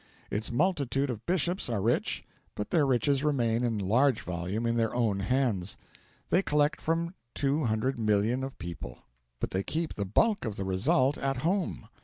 Its multitude of Bishops are rich, but their riches remain in large measure in their own hands. They collect from 200,000,000 of people, but they keep the bulk of the result at home.